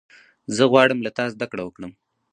زه غواړم له تا زدهکړه وکړم.